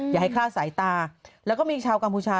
อย่าให้ฆ่าสายตาแล้วก็มีชาวการพลุชา